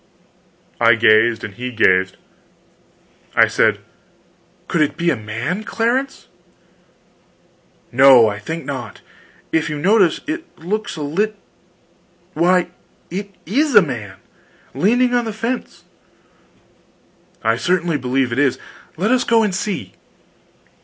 I gazed and he gazed. I said: "Could it be a man, Clarence?" "No, I think not. If you notice, it looks a lit why, it is a man! leaning on the fence." "I certainly believe it is; let us go and see."